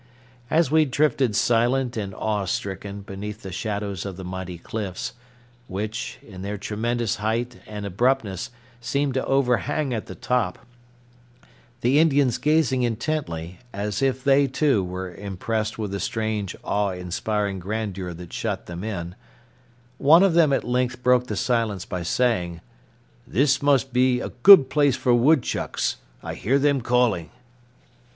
As we drifted silent and awe stricken beneath the shadows of the mighty cliffs, which, in their tremendous height and abruptness, seemed to overhang at the top, the Indians gazing intently, as if they, too, were impressed with the strange, awe inspiring grandeur that shut them in, one of them at length broke the silence by saying, "This must be a good place for woodchucks; I hear them calling."